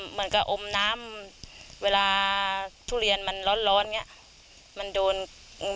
เหมือนกับอมน้ำเวลาทุเรียนมันร้อนอย่างนี้